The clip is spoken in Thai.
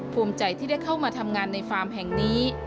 ภูมิใจที่ได้เข้ามาทำงานในฟาร์มแห่งนี้